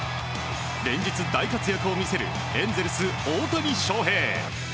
連日大活躍を見せるエンゼルス、大谷翔平。